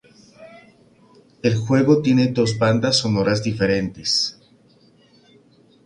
El juego tiene dos bandas sonoras diferentes.